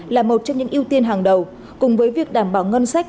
là một trong những ưu tiên hàng đầu cùng với việc đảm bảo ngân sách